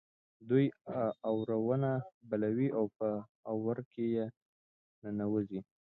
دوی اورونه بلوي او په اور کې ننوزي.